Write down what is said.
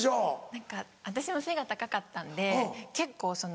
何か私も背が高かったんで結構その。